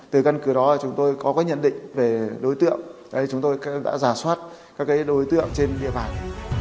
từ căn cứ đó chúng tôi có cái nhận định về đối tượng